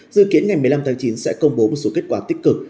dự kiến ngày một mươi năm tháng chín sẽ công bố một số kết quả tích cực